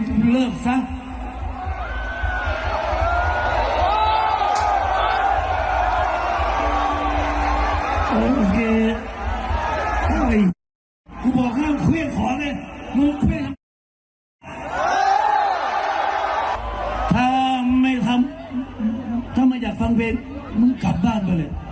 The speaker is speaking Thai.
คนที่ก็อยากฟังเขาอยู่ดูอย่าแสดงหน้าอย่างงดอย่าง